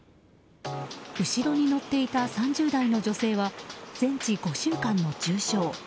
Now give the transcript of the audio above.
後ろに乗っていた３０代の女性は全治５週間の重傷。